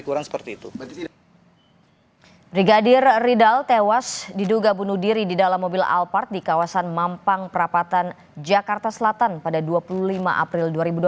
kepemilikan mobil alphard yang diduga bunuh diri